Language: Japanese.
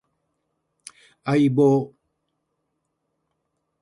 相棒